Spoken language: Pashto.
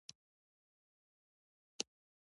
دوی د طبیعت په راز نه دي پوهېدلي.